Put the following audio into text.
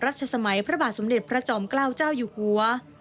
สมัยพระบาทสมเด็จพระจอมเกล้าเจ้าอยู่หัว